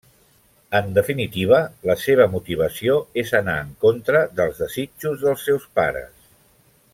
En definitiva, la seva motivació és anar en contra dels desitjos dels seus pares.